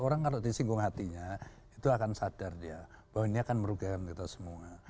orang kalau disinggung hatinya itu akan sadar dia bahwa ini akan merugikan kita semua